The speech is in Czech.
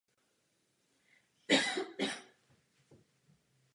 Směřuje pak k jihu rychle se zahlubujícím kaňonem.